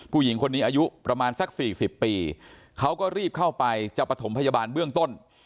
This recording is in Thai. ผู้หญิงคนนี้อายุประมาณสัก๔๐ปีเขาก็รีบเข้าไปจะประถมพยาบาลเบื้องต้น